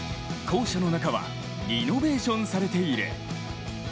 校舎の中はリノベーションされている。